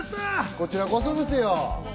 こちらこそですよ。